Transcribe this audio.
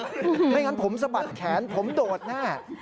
ไม่อย่างนั้นผมสะบัดแขนผมโดดหน้า